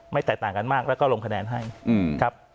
แตกต่างกันมากแล้วก็ลงคะแนนให้ครับ